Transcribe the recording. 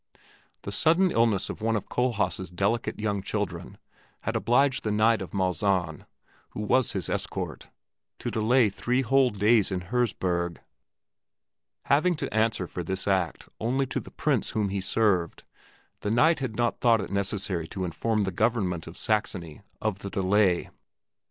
The sudden illness of one of Kohlhaas' delicate young children had obliged the Knight of Malzahn, who was his escort, to delay three whole days in Herzberg. Having to answer for this act only to the Prince whom he served, the Knight had not thought it necessary to inform the government of Saxony of the delay.